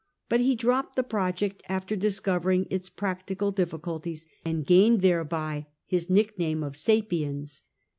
But he dropped the project after discovering its practical diflS culties, and gained thereby his nickname of Sa^oiens.